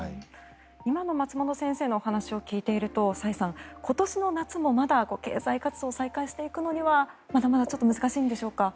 今の松本先生のお話を聞いていると崔さん、今年の夏もまだ経済活動を再開していくのにはまだまだちょっと難しいんでしょうか。